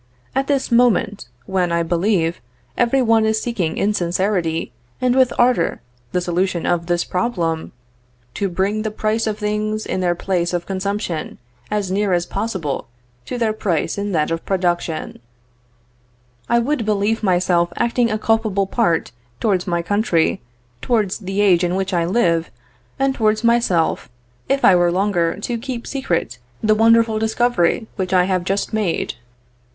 at this moment when, I believe, every one is seeking in sincerity and with ardor the solution of this problem "To bring the price of things in their place of consumption, as near as possible to their price in that of production" I would believe myself acting a culpable part towards my country, towards the age in which I live, and towards myself, if I were longer to keep secret the wonderful discovery which I have just made.